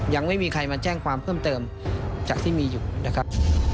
ยังไม่มีใครมาแจ้งความเพิ่มเติมจากที่มีอยู่นะครับ